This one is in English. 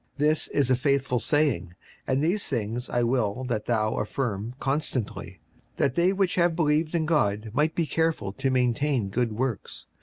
56:003:008 This is a faithful saying, and these things I will that thou affirm constantly, that they which have believed in God might be careful to maintain good works.